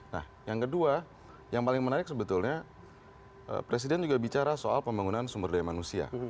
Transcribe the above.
nah yang kedua yang paling menarik sebetulnya presiden juga bicara soal pembangunan sumber daya manusia